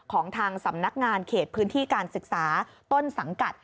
ของทางสำนักงานเขตพื้นที่การศึกษาต้นสังกัด